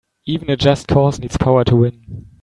Even a just cause needs power to win.